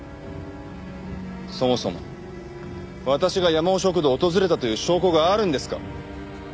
そもそも私がやまお食堂を訪れたという証拠があるんですか？